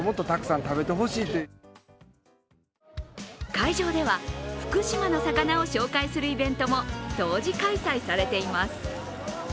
会場では、福島の魚を紹介するイベントも同時開催されています。